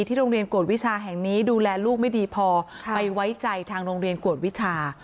โรงเรียนกวดวิชาแห่งนี้ดูแลลูกไม่ดีพอไปไว้ใจทางโรงเรียนกวดวิชา